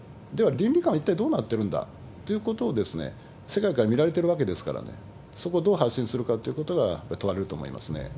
では倫理観は一体どうなってるんだ？ということを世界から見られてるわけですからね、そこをどう発信するかってことがやっぱ問われると思いますね。